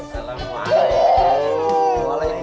bagaimana kamu buat begitu